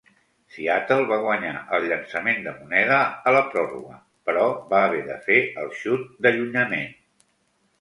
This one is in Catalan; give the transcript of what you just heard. Seattle va guanyar el llançament de moneda a la pròrroga, però va haver de fer el xut d'allunyament.